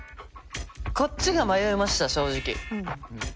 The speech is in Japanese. こっちが迷いました正直。